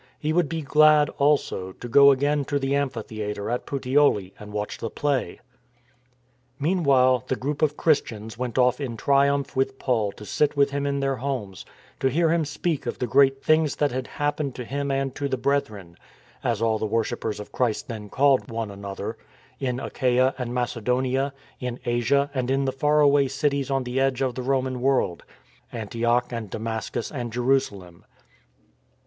He would be glad, also, to go again to the amphitheatre at Puteoli and watch the play. Meanwhile, the group of Christians went off in triumph with Paul to sit with him in their homes, to hear him speak of the great things that had happened to him and to the Brethren — as all the worshippers of Christ then called one another — in Achaia and Mace donia, in Asia and in the far away cities on the edge of the Roman world — Antioch and Damascus and Jerusalem.